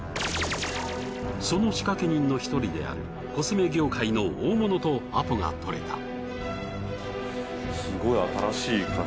その仕掛け人の１人であるコスメ業界の大物とアポが取れた。